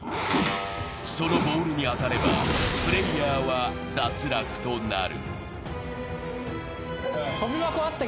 そのボールに当たればプレイヤーは脱落となる。